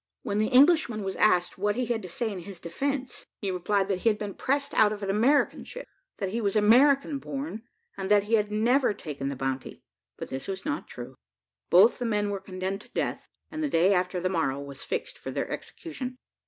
When the Englishman was asked what he had to say in his defence, he replied that he had been pressed out of an American ship, that he was American born, and that he had never taken the bounty. But this was not true. Both the men were condemned to death, and the day after the morrow was fixed for their execution.